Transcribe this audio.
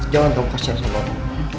jangan terpaksa sama aku